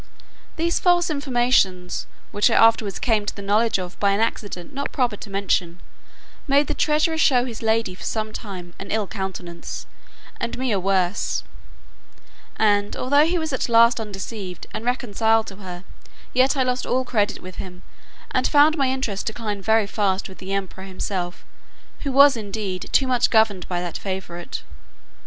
These false informations, which I afterwards came to the knowledge of by an accident not proper to mention, made the treasurer show his lady for some time an ill countenance, and me a worse; and although he was at last undeceived and reconciled to her, yet I lost all credit with him, and found my interest decline very fast with the emperor himself, who was, indeed, too much governed by that favourite.